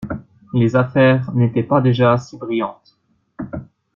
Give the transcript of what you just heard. Les affaires n'étaient pas déjà si brillantes!